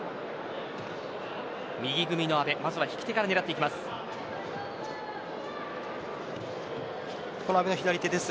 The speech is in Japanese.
右組みの安倍まずは引き手から狙っていきます。